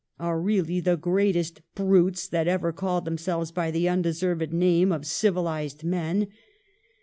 9th, 1849), "are really the greatest brutes that ever called themselves by the undeserved name of civilized men.